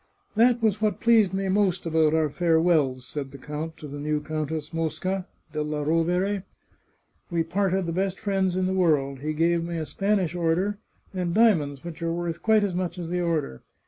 " That was what pleased me most about our farewells," said the count to the new Countess Mosca della Rovere. " We parted the best friends in the world. He gave me a Spanish Order, and diamonds which are worth quite as much as the Order.